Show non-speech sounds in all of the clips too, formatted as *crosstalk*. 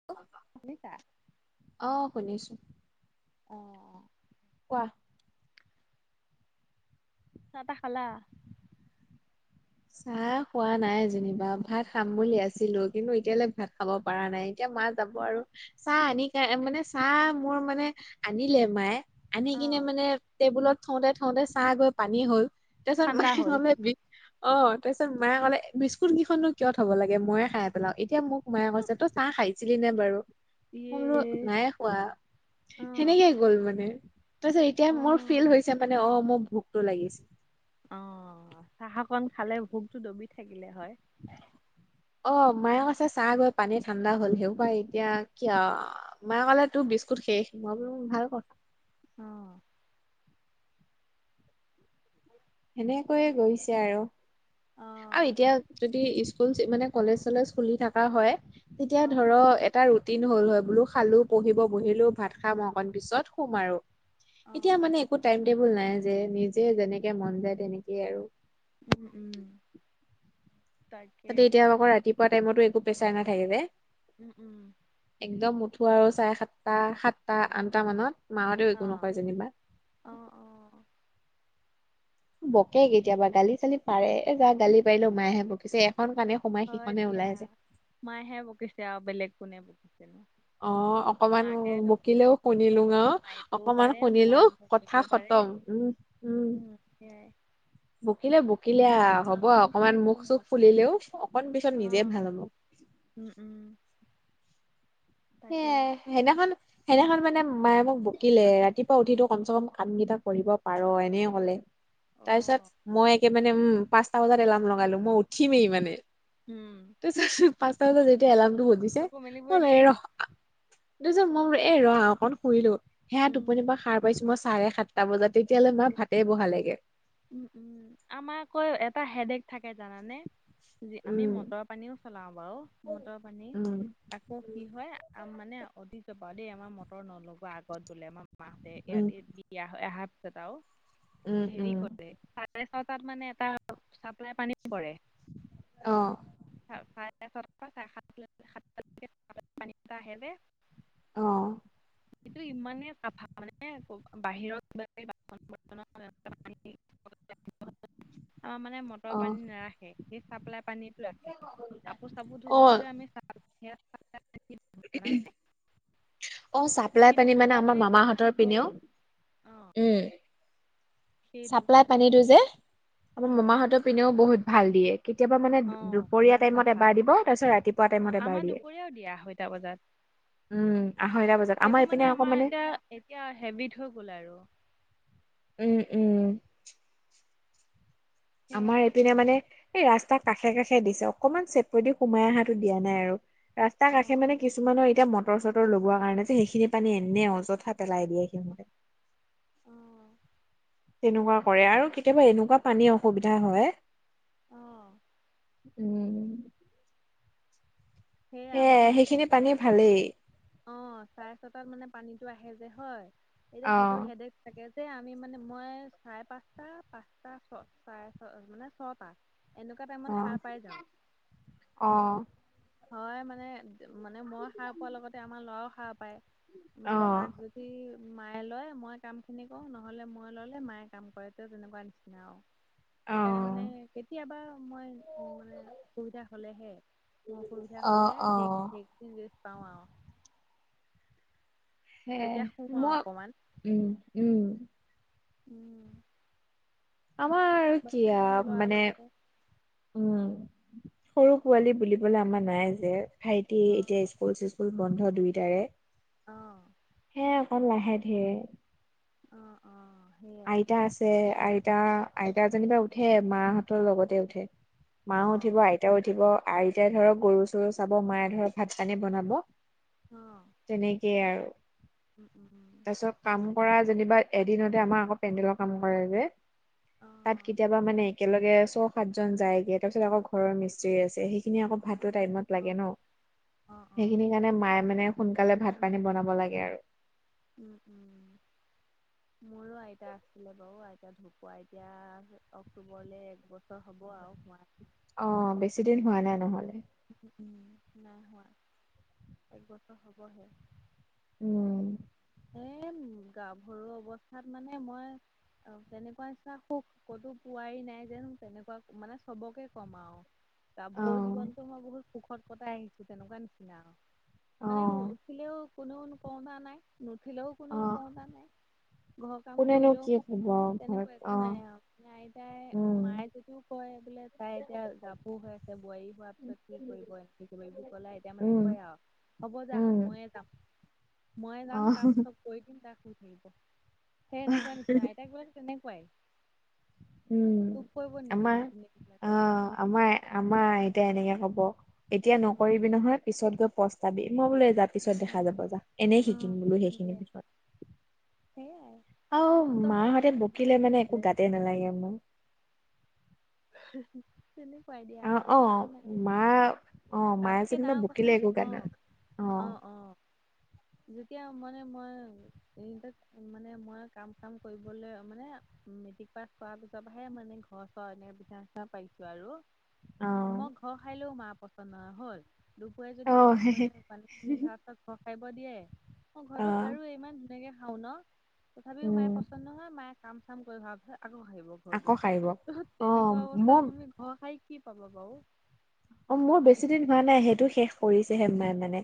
*unintelligible* শুনিছা? অঁ শুনিছো। অঁ অঁ' কোৱা। চাহ তাহ খালা। চাহ খোৱা নাই যেনিবা ৷ ভাত খাম বুলি আছিলো, কিন্তু এতিয়ালে ভাত খাব পৰা নাই। এতিয়া মাছ- যাব আৰু। চাহ আনি কা মানে চাহ মোৰ মানে আনিলে মায়ে- আনি কিনে অ', মানে টেবুলত থওঁতে থওঁতে চাহ গৈ পানী হ'ল৷ তাপিছত ঠাণ্ডা মাই হ'ল মানে বি- অঁ, তাৰপিছত মায়ে কলে বিস্কুট কেইখননো কিয় থ'ব লাগে মইয়ে খাই পেলাও। এতিয়া মোক- মায়ে কৈছে তই চাহ খাইছিলি নে বাৰু ইয়ে মই বোলো নাই- খোৱা অ সেনেকেই গ'ল মানে, তাৰপিছত এতিয়া অ মোৰ ফিল হৈছে মানে অ মই ভোক- টো লাগিছে। অ চাহঅকন খালে ভোকটো দবি থাকিলে হয়। অ মায়ে কৈছে চাহ গৈ পানী ঠাণ্ডা হল সেইসোপা এতিয়া কিয়। মায়ে ক'লে তোৰ বিস্কুট শেষ মই বোলো ভাল ক। অ। *unintelligible* সেনেকৈয়ে গৈছে আৰু অ আৰু এতিয়া যদি ইচ। স্কুল মানে কলেজ চলেজ খুলি থকা হয় তেতিয়া অ', ধৰ এ। টা ৰুটিন হ'ল হয় বোলো খালো পঢ়িব বহিলো ভাত খাম অকন পিছত শুম আৰু। এতিয়া অ', মানে একো টাইম টেবুল নাই যে নিজে যেনেকে মন যায় তেনেকেই আৰু। উম উম। তাকে তাতে এতিয়া আকৌ ৰাতিপুৱা টাইমতো একো প্ৰেছাৰ নাথাকে যে। উম উম। একদম উঠো আৰু চাৰে সাতটা সাতটা আঠটা মানত মাহতেও অ একো নকয় যেনিবা। অ অ। বকে কেতিয়াবা গালি চালিও পাৰে এ যা গালি পাৰিলেও মায়েহে বকিছে এখন কাণে। সোমাই হয় সিখনে দিয়া ওলাই যায়। মায়েহে বকিছে আৰু বেলেগ কোনে বকিছে নো। অ অকমান মাকে বকিলেও অ শুনিলো আও মাৰিবও অকমান পাৰে শুনিলো মৰম কথা কৰিব পাৰে। খতম উম উম কিয়াই। বকিলে বকিলে আ হ'ব মাকৰ অকমান নিচিনা মুখ কোন চুখ হ'ব ফুলিলেও অকন পিছত অ নিজে ভাল হ'ব। উম উম। তাকে সেয়াই সেইদিনাখন। সেইদিনাখন মানে মায়ে মোক বকিলে ৰাতিপুৱা উঠি টো কমচে কম কাম কেইটা কৰিব পাৰ এনেকে কলে। তাৰ অ', পিছত মই একে মানে উম পাঁচটা বজাত এলাৰ্ম লগালো মই উঠিমেই মানে। উম। তাৰপিছত পাঁচটা বজাত যেতিয়া এলাৰ্মটো বজিছে চকু মেলিবই মই নোৱাৰি। এই ৰহ। তাৰপিছত মই বোলো এই ৰহ অকণ শুই লও সেয়া উম, টোপনি পৰা সাৰ পাইছো মই চাৰে সাত। টা বজাত তেতিয়ালে মা ভাতে বহালেগে। উম উম আমাৰ আকৌ এটা হেডেক থাকে জানানে। যি আমি উম, মটৰ পানীও চলাও বাৰু মটৰ পানী। উম, আকৌ কি হয় আ মানে অতিজপা দেই আমাৰ মটৰ নলগোৱা আগত বোলে আম। মাহঁতে উম, ইয়াত এই বিয়া হৈ অহা পিছত আও উম, হেৰি উম, ক। চাৰে ছটাত মানে এটা চাপ্লাই পানী পৰে। অ। *inaudible* অ। এইটো ইমানে চাফা মানে বাহিৰত বাছন বৰত থোৱা পানী। *inaudible* অ মানে ম। মটৰ অ', পানী নাৰাখে এই চাপ্লাই পানীতটো ৰাখে কাপোৰ চাপোৰ ধুব অ', হলেও আমি। *inaudible* অ চাপ্লাই কিন্তু পানী মানে মটৰ আমাৰ ব্যৱহাৰ মামাহতৰ পিনেও নকৰো অ', উম। সেইটো চাপ্লাই কথা পানীটো যে আমাৰ উম, মামাহঁতৰ পিনেও বহুত ভাল দিয়ে। কেতিয়াবা মানে অ', দুপৰীয়া ইমান টাইমত চাফা এবাৰ দিব তাৰপিছত ৰাতিপুৱা অ', টাইমত এবাৰ আমাৰ দিয়ে। দুপৰীয়াও দিয়া আঢ়ৈটা বজাত উম আঢ়ৈটা বজাত সেইটো আমাৰ ইপিনে আকৌ মানে। এতিয়া এতিয়া হেবিট হৈ গ'ল আৰু উম উম। সেয়া আমাৰ এইপিনে মানে এই ৰাস্তা কাষে কাষে দিছে অকনমান চেপ দি সোমাই অহাটো দিয়া নাই আৰু। ৰাস্তাৰ কাষে অ', মানে অ', কিছুমানৰ এতিয়া মটৰ চটৰ লগোৱা কাৰণে যে সেইখিনি পানী এনে অযথা। পেলাই দিয়েহি। অ', তেনেকুৱা কৰে আৰু কেতিয়াবা এনেকুৱা পানী অসুবিধা হয়। অ', উম। সেই আমৰ সেয়াই মানে সেইখিনি পানী এতিয়া, ভালেই অ চাৰে ছটাত মানে পানীতটো আহে যে হয়, এতিয়া অ সেইটো হেডক তাকে যে আমি মানে মই চাৰে পাঁচটা পাঁচটা ছ চাৰে, মানে ছটা এনেকুৱা অ টাইমত সাৰ পাই যাওঁ। অ। হয় মানে মানে মই সাৰ পোৱাৰ লগতে আমাৰ ল'ৰাও সাৰ পায়। অ মানে তাক যদি, সি মায়ে লয় মই কাম খিনি কৰো নহলে মই ললে মায়ে কাম কৰে, ত তেনেকুৱা নিচিনা আৰু। অ সেইকাৰণে মানে, কেতিয়াবা মই উ মানে অসুবিধা হলেহে। মোৰ অসুবিধা অ হ'লে, অ সেই সেইখিনি ৰেষ্ট পাওঁ আৰু সে, তেতিয়া শুওঁ আৰু মই অকণমান উম উম। উম। আমাৰ কি বাকী আৰু আও ল'ৰাৰ মানে, লগতে উম, সৰু পোৱালী বুলিবলে আমাৰ নাই যে, ভাইটি এতিয়া অ', ইস্কুল চিস্কুল বন্ধ দুইটাৰে। অঁ। এ অকণ লাহে ধিৰে। অ অ সেইয়াই, যে আইতা আইতা যেনিবা উঠে মাহঁতৰ লগতে উঠে। মা উঠিব, অ'। আইতাও উঠিব, আইটাই ধৰক গৰু চৰু চাব, মায়ে ধৰক ভাত পানী বনাব অ', তেনেকে, কে আৰু *inaudible* তাৰপিছত কাম কৰা যেনিবা এদিনতে আমাৰ আকৌ পেণ্ডেলৰ কাম কৰে যে, অ। তাত কেতিয়াবা মানে একেলগে, ছয় সাতজন যায়গৈ তাৰপিছত আকৌ ঘৰৰ মি্ত্ৰী আছে সেইখিনি আকৌ ভাতৰ টাইমত। অ', লাগে ন অ', অ', সেইখিনি কাৰণে মায়ে মানে সোনকালে ভাত পানী বনাব লাগে আৰু উম উম। মোৰো আইতা আছিলে বাৰু, আইতা ঢুকুৱা এতিয়া অক্টোবৰলৈ এক বছৰ হ'ব আৰু হোৱাত। অ বেছি দিন হোৱা নাই নহলে, উম নাই হোৱা, একবছৰ হ'বহে। উম। এ গাভৰুৱা অৱস্থাত মানে, মই কেনেকুৱা ইচ্ছা সুখ ক'তো পোৱাই নাই যেন তেনেকুৱা মানে চবকে কম আৰু। অ গাভৰু জীৱনতো মই বহুত সুখত কটাই আহিছো, তেনেকুৱা নিচিনা আৰু। অ মানে উঠিলেও কোনেও কওঁতা নাই নুঠিলেও অ কোনেও কওঁতা নাই। ঘৰৰ কাম কোনেনো কৰিলেও কি কব নাই ঘৰত তেনেকুৱা অ একো নাই আৰু। নাই তাই উম মায়ে যদিও কয় বোলে তাই এতিয়া গাভৰু হৈ আছে, বোৱাৰী হোৱাৰ পিছত কি কৰিব *unintelligible* এতিয়া মানে উম কয় আৰু হ'ব যা উম ময়ে যাম। ময়ে অ যাম। কৈ দিম তাক শুই থাকিব, সেই এনেকুৱা নিচিনা আইতাকবিলাক তেনেকুৱাই। উম *unintelligible* পৰিব নিদিয়ে আমাৰ নাতিনীয়েক বিলাকক। অ আমাৰ আমাৰ আইতাই এনেকে কব এতিয়া উম নকৰিবি নহয় পিছত গৈ পস্তাবি মই বোলো পিছত দেখা অ' যাব যা এনেই শিকিম বোলো সেইখিনি সেইয়াই আও মাহঁতে বকিলে মানে একো গাতে নালাগে মোৰ *unintelligible* দিয়া অ অ একো নাই। মা অ মায়ে তাতকে যেনিবা ডাঙৰ বকিলে কথা একো গাত অ', নেলাগে অ যেতিয়া মানে মই এইটত মানে মই কাম চাম কৰিবলৈ মানে মেট্ৰিক পাছ কৰা পিছৰ পৰাহে মানে ঘৰ চৰ এনে পিঠা চিঠা পাইছো আৰু অ মই ঘৰ সাৰিলেও মা পচন্দ নোহোৱা হল দুপৰীয়া যদি অ', মোক মানে পানী খিনি ধৰা পাছত ঘৰ সাৰিব দিয়ে মই ঘৰটো অ', সাৰোয়েই ইমান তেনেকে সাৰো ন তথাপিও মায়ে উম, পচন্দ নহয় মায়ে কাম চাম কৰি হোৱা পিছত আকৌ সাৰিব আকৌ ঘৰটো সাৰিব। ত অ', তেনেকুৱা মই অৱস্থাত তুমি ঘৰ সাৰি কি পাবা বাৰু অ মোৰ বেছি দিন হোৱা নাই সেইটো শেষ কৰিছেহে মা মানে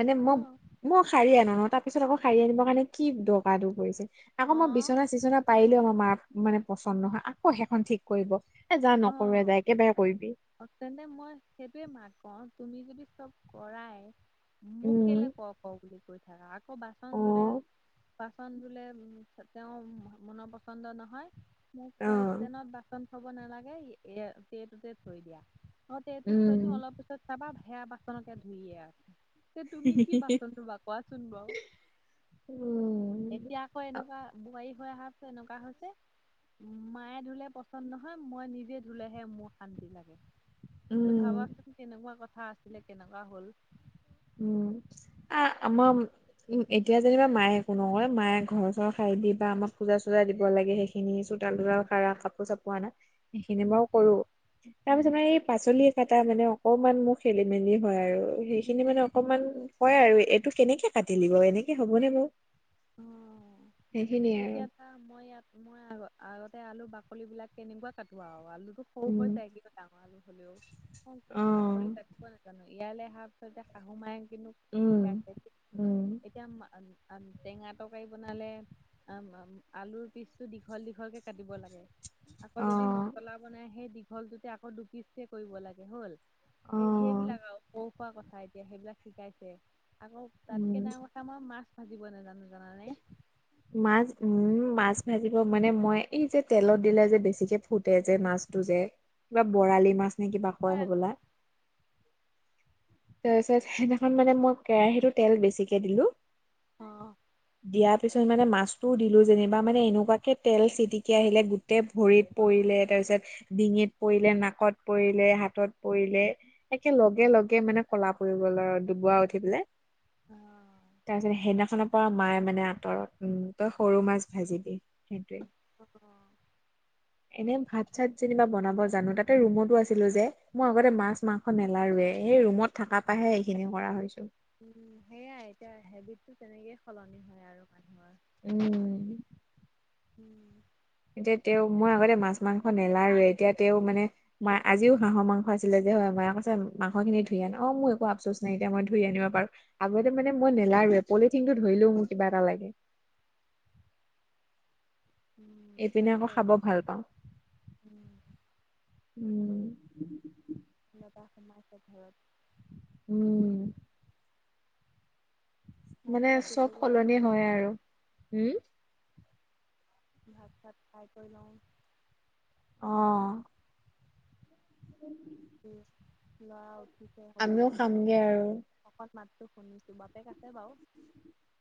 মানে মই অ', মই সাৰি আনো ন তাৰপিছত আকৌ সাৰি আনিবৰ কাৰণে কি দৰকাৰটো পৰিছে আকৌ মই অ', বিচনা চিচনা পাৰিলেও আমাৰ মাক মানে পচন্দ নহয় আকৌ সেইখন ঠিক কৰিব এ যা অ'। নকৰোৱে যা একেবাৰে কৰিবি তেন্তে মই সেইটোৱেই মাক কওঁ তুমি যদি চব কৰাই মোক কেলে উম, কৰ কৰ বুলি কৈ থাকা আকৌ বাচন ধুলে অ', বাচন ধুলে তেওঁ মনৰ পচন্দ নহয় মোক কয় অ'। ষ্টেনত বাচন থ'ব নালাগে এয়া এইটোতে থৈ দিয়া অ সেইটোত উম, থৈ দিওঁ অলপ পি পিছত চাবা সেয়া বাচনকে ধুইয়ে আছে তেনে তুমি কি বাচন ধুবা কোৱাচোন বাও উম, এতিয়া হয় এনেকুৱা বোৱাৰী হৈ আহা পিছত এনেকুৱা হৈছে মায়ে ধুলে পচন্দ নহয় মই নিজে ধুলেহে মোৰ শান্তি লাগে ত উম। ভাবাচোন কেনেকুৱা কথা আছিলে কেনেকুৱা হ'ল উম আ আমাৰ উ এতিয়া যেনিবা মায়ে একো নকয় মায়ে ঘৰ চৰ সাৰি দিবা আমাক পূজা চূজা দিব লাগে সেইখিনি চোতাল অ তোতাল সাৰা কাপোৰ চাপোৰ আনা সেইখিনি বাও উম কৰো তাৰ পিছত উম মই এই পাচলি কাটা মানে অকণমান মোৰ খেলি মেলি হয় আৰু সেইখিনি মানে উম অকমান হয় আৰু এইটো কেনেকে কাটিলি বাৰু এনেকে হ'বনে বাও অহ আৰু এতিয়া মই ইয়াত মই আগ আগতে আলু বাকলি বিলাক কেনেকুৱা কাটো আৱ আলুতো সৰু হৈ উম যায়গে ডাঙৰ আলু হ'লেও অ বাকলি কাটিব নাজানো ইয়ালে অহাৰ পিছত শাহু মায়ে কিন্তু উম শিকাইছে উম এতিয়া *unintelligible* টেঙা তৰকাৰি বনালে আম আম আলুৰ পিচটো দীঘল দীঘলকে কাটিব লাগে আকৌ অ যদি মছলা বনাই সেই দীঘলটোতে আকৌ দুপিচকে কৰিব লাগে হ'ল অ এই সেইবিলাক আৱ সৰু সুৰা কথা এতিয়া সেইবিলাক শিকাইছে আকৌ উম তাতকে ডাঙৰ মই মাছ ভাজিব নাজানো তুমি জানানে মাছ উম মাছ ভাজিব মানে মই এই যে তেলত দিলে যে বেছিকে ফুটে যে মাছ টো যে কিবা বৰালি মাছ নে কিবা কয় অ', হবলা তাৰ পিছত সেইদিনাখন মানে মই কেৰাহীতো তেল বেছিকে দিলো অ দিয়াৰ পিছত মানে মাছটোও দিলোঁ যেনিবা মানে এনেকুৱাকে তেল চিটিকি আহিলে। গোটে ভৰিত পৰিলে তাৰপিছত ডিঙিত পৰিলে নাকত পৰিলে হাতত পৰিলে। একে লগে লগে মানে ক'লা পৰি গ'ল আৰু ডুবৰা উঠি পেলে। অ তাৰপিছত সেইদিনাখনৰ পৰা মায়ে মানে আঁতৰত উম ত সৰু মাছ ভাজি দি সেইটোৱে অ এনে ভাত চাত যেনিবা বনাব জানো তাতে ৰুমতো আছিলোঁ যে মই আগতে মাছ মাংস নেলাৰোৱে এই ৰুমত থকা পাহে এইখিনি কৰা হৈছোঁ। উম সেয়াই এতিয়া হেবিট টো তেনেকে সলনি হয় আৰু মানুহৰ উম উম এতিয়া তেওঁ মই আগতে মাছ মাংস নেলাৰোৱে এতিয়া তেওঁ মানে মা আজিও হাঁহৰ মাংস আছিলে যে হয় মায়ে কছে মাংস খিনি ধুই আন অ মোৰ একো আপচোচ নাই এতিয়া মই ধুই আনিব পাৰোঁ। আগতে মানে মই নেলাৰোৱে পলিথিন টো ধৰিলেও মোৰ কিবা এটা লাগে। উম এইপিনে আকৌ তাকে খাব ভাল পাওঁ উম উম। লতা খুমাইছে ঘৰত উম ভাত মানে চাত চব দিবগে সলনি লাগিব হয় এতিয়া আৰু উম। ভাত চাত খাই কৰি লওঁ। অ উ উ ল'ৰা উঠিছে হ'ব লা পামগে আৰু অকন মাত তো শুনিছো বাপেক আছে বাৰু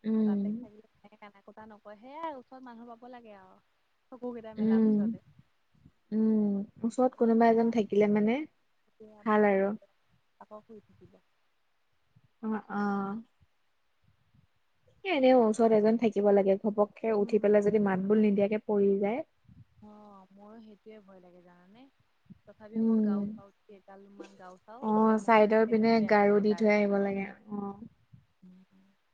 উম বাপেক থাকিলে এনেকে কথা নকয় সেইয়া ওচৰত মানুহ পাব লাগে আৰু চকু কেইটা মেলাৰ উম পিছতে উম ওচৰত কোনোবা তেতিয়া এজন থাকিলে মানে ভাল আপত্তি আৰু নকৰে। আকৌ শুই থাকিব। অ অ এ এনেও ওচৰত এজন থাকিব লাগে ঘপককে উঠি উম পেলাই যদি হয় মাত বোল হয় নিদিয়াকে পৰি যায়। অ মোৰো সেইটোয়ে ভয় লাগে জানানে? তথাপিও মই উম গাও চাওঁ কেইদালমান গাও চাওঁ অ চাইদৰ পিনে গাৰো সন্মুখতে দি থৈ তাৰ আহিব লাগে অ উ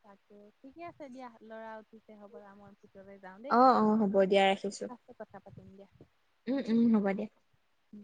তাকে ঠিকে আছে দিয়া ল'ৰা উঠিছে হ'বলা মই ভিতলৈ অ অ হ'ব দিয়া ৰাখিছোঁ। পিছত কথা পাতিম দিয়া। উম উম হ'ব দে। উম